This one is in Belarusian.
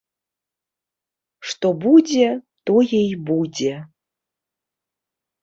Што будзе, тое і будзе.